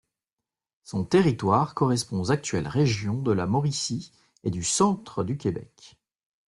Son territoire correspond aux actuelles régions de la Mauricie et du Centre-du-Québec.